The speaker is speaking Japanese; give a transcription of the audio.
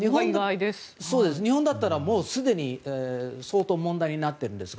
日本だったら、すでに相当問題になっているんですが。